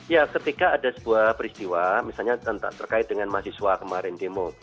ya ketika ada sebuah peristiwa misalnya terkait dengan mahasiswa kemarin demo